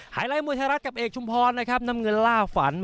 ไฮไลท์มวยไทรัฐกับเอกชุมภอนนำเงินล่าฝัน